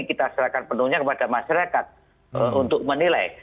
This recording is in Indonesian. kita serahkan penuhnya kepada masyarakat untuk menilai